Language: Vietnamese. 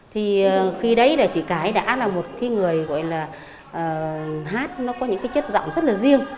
thì khi đấy là chị cải đã là một người gọi là hát nó có những chất giọng rất là riêng